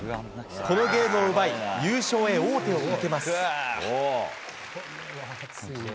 このゲームを奪い、優勝へ王手をかけます。